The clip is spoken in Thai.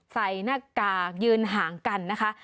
ใส่หน้ากากยืนห่างกันนะคะ